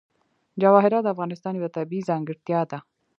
جواهرات د افغانستان یوه طبیعي ځانګړتیا ده.